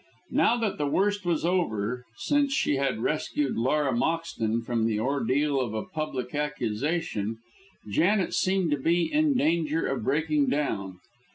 Now that the worst was over since she had rescued Laura Moxton from the ordeal of a public accusation Janet seemed to be in danger of breaking down.